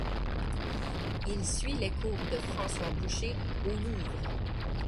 Il suit les cours de François Boucher au Louvre.